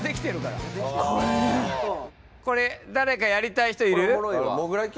これ誰かやりたい人いる？